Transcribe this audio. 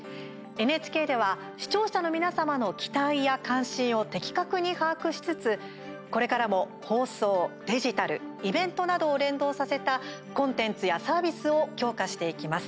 ＮＨＫでは視聴者の皆様の期待や関心を的確に把握しつつこれからも放送、デジタルイベントなどを連動させたコンテンツやサービスを強化していきます。